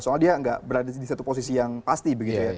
soalnya dia tidak berada di satu posisi yang pasti